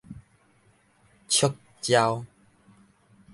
觸礁